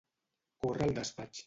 Córrer el despatx.